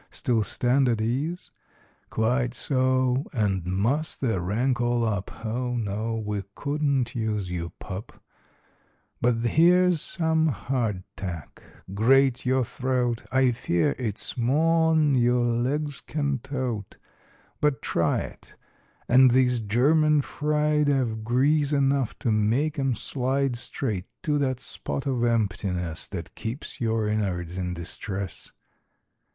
Still stand at ease? Quite so—and muss the rank all up— Oh no, we couldn't use you, pup! But here's some "hard tack." Grate your throat! I fear it's more'n your legs can tote, But try it. And these "German fried" 'Ave grease enough to make 'em slide Straight to that spot of emptiness That keeps your innards in distress!